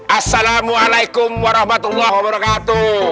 assalamualaikum warahmatullah wabarakatuh